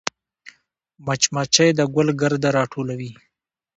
مچمچۍ د ګل ګرده راټولوي